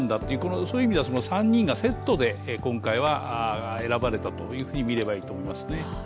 そういう意味では３人がセットで今回は選ばれたとみるといいと思いますね。